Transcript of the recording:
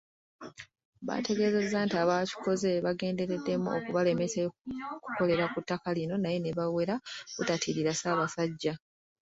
Baategezezza nti abaakikoze baagendereddemu kubalemesa kukolera ku ttaka lino naye nebawera obutatiirira Ssaabasajja.